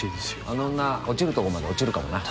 あの女落ちるとこまで落ちるかもな。